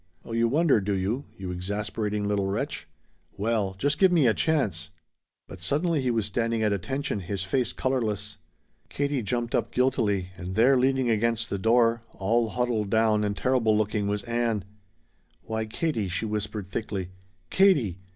"Oh you wonder, do you you exasperating little wretch! Well just give me a chance " But suddenly he was standing at attention, his face colorless. Katie jumped up guiltily, and there leaning against the door all huddled down and terrible looking was Ann. "Why, Katie," she whispered thickly "Katie!